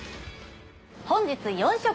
本日４食目！